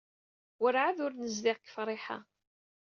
Werɛad ur nezdiɣ deg Friḥa.